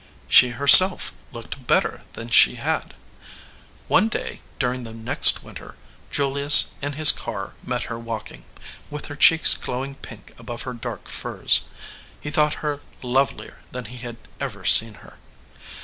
She herself looked better than she had. One day during the next winter, Julius in his car met her walking, with her cheeks glowing pink above her dark furs. He thought her lovelier than he had ever seen her.